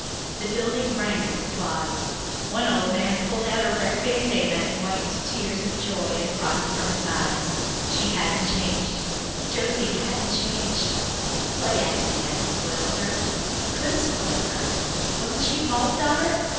The building rang with applause; one old man pulled out a red bandanna and wiped tears of joy and pride from his eyes. She hadn't changed Josie hadn't changed. Play acting hadn't spoiled her couldn't spoil her. Wasn't she Paul's daughter!